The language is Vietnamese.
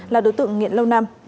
là đối tượng nghiện lâu năm